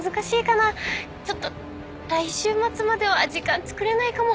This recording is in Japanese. ちょっと来週末までは時間つくれないかも。